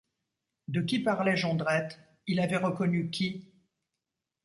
De qui parlait Jondrette ? il avait reconnu qui ?